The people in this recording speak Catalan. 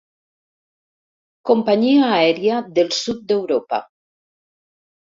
Companyia aèria del sud d'Europa.